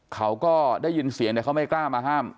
เขาก็ได้ยินเสียงแต่เขาไม่กล้ามาห้าม